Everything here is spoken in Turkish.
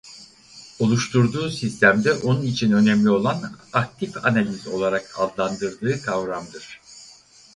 Oluşturduğu sistemde onun için önemli olan "aktif analiz" olarak adlandırdığı kavramdır.